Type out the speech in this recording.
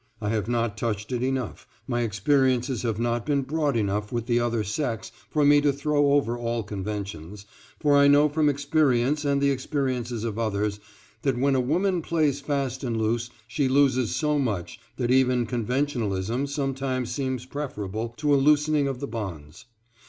I have not touched it enough, my experiences have not been broad enough with the other sex for me to throw over all conventions, for I know from experience and the experiences of others, that when a woman plays fast and loose she loses so much that even conventionalism sometimes seems preferable to a loosening of the bonds.